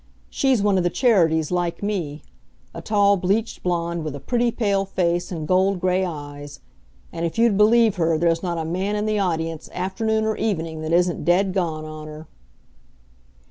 She's one of the Charities, like me a tall bleached blonde with a pretty, pale face and gold gray eyes. And, if you'd believe her, there's not a man in the audience, afternoon or evening, that isn't dead gone on her.